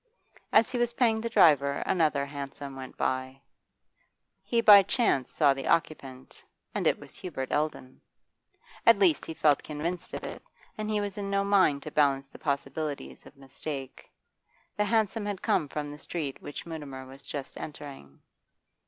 As he was paying the driver another hansom went by; he by chance saw the occupant, and it was Hubert Eldon. At least he felt convinced of it, and he was in no mind to balance the possibilities of mistake. The hansom had come from the street which Mutimer was just entering.